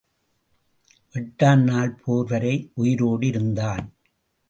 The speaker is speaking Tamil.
எட்டாம் நாள் போர் வரை உயிரோடு இருந்தான்.